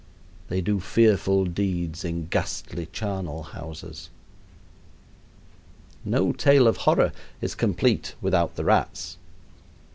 They do fearful deeds in ghastly charnel houses. No tale of horror is complete without the rats.